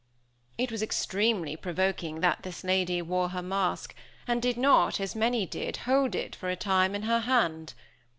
It was extremely provoking that this lady wore her mask, and did not, as many did, hold it for a time in her hand.